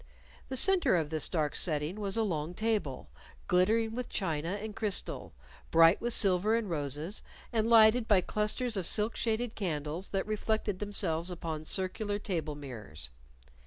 The center of this dark setting was a long table, glittering with china and crystal, bright with silver and roses, and lighted by clusters of silk shaded candles that reflected themselves upon circular table mirrors.